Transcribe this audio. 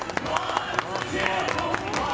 あ！